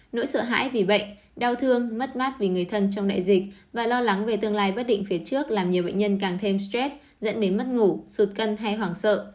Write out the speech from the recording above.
nỗi sợ hãi vì bệnh đau thương mất mát vì người thân trong đại dịch và lo lắng về tương lai bất định phía trước làm nhiều bệnh nhân càng thêm stress dẫn đến mất ngủ sụt cân hay hoảng sợ